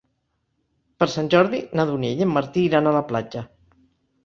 Per Sant Jordi na Dúnia i en Martí iran a la platja.